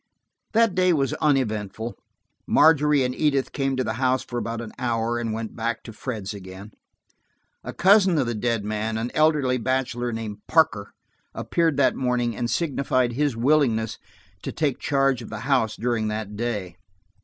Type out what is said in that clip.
That day was uneventful. Margery and Edith came to the house for about an hour and went back to Fred's again. A cousin of the dead man, an elderly bachelor named Parker, appeared that morning and signified his willingness to take charge of the house during that day.